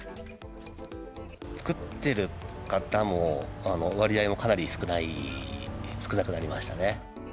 作っている方も割合もかなり少ない、少なくなりましたね。